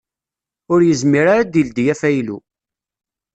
Ur yezmir ara a d-ildi afaylu.